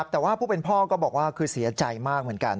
แต่ว่าผู้เป็นพ่อก็บอกว่าคือเสียใจมากเหมือนกัน